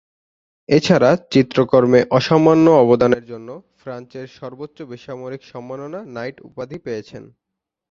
এছাড়া চিত্রকর্মে অসামান্য অবদানের জন্য ফ্রান্সের সর্বোচ্চ বেসামরিক সম্মাননা নাইট উপাধি পেয়েছেন।